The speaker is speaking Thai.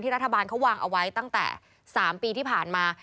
รัฐบาลเขาวางเอาไว้ตั้งแต่๓ปีที่ผ่านมา